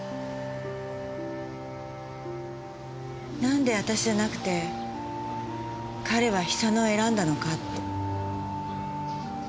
なんで私じゃなくて彼は久乃を選んだのかって。